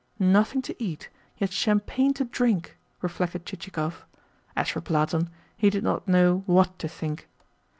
"Nothing to eat, yet champagne to drink!" reflected Chichikov. As for Platon, he did not know WHAT to think.